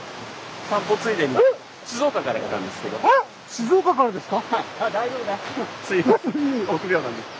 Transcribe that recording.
静岡からですか？